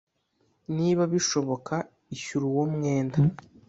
niba bishoboka ishyura uwo mwenda